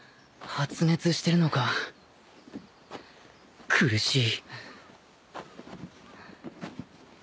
発熱してるのか苦しい